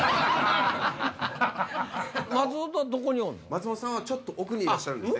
松本さんはちょっと奥にいらっしゃるんですね。